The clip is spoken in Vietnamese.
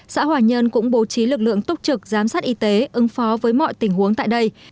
xã hòa nhơn cũng bố trí lực lượng túc trực giám sát y tế ứng phó với mọi tình huống tại đây